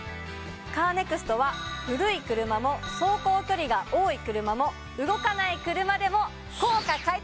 カーネクストは古い車も走行距離が多い車も動かない車でも。